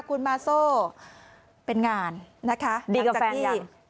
คุณมาโซ่เป็นงานนะคะดีกับแฟนหรือยัง